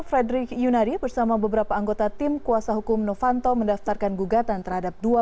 frederick yunadi bersama beberapa anggota tim kuasa hukum novanto mendaftarkan gugatan terhadap dua